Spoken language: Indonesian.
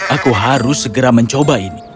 aku harus segera mencoba ini